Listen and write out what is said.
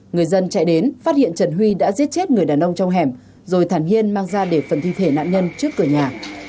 người dân chạy đến phát hiện trần huy đã giết chết người đàn ông trong hẻm rồi thản hiên mang ra để phần thi thể nạn nhân trước cửa nhà